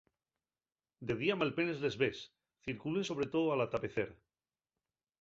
De día malpenes les ves, circulen sobre too al atapecer.